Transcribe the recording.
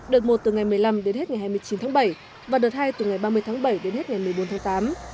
đợt một từ ngày một mươi năm đến hết ngày hai mươi chín tháng bảy và đợt hai từ ngày ba mươi tháng bảy đến hết ngày một mươi bốn tháng tám